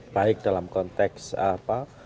baik dalam konteks apa